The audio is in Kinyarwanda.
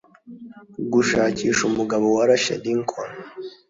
gushakisha umugabo warashe lincoln